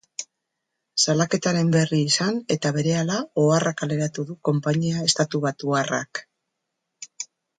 Salaketaren berri izan eta berehala, oharra kaleratu du konpainia estatubatuarrak.